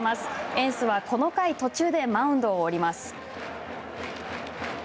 エンスはこの回途中でマウンドを降ります。